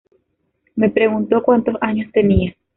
Me preguntó cuántos años tenía.